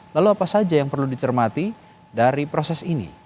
lalu apa saja yang perlu dicermati dari proses ini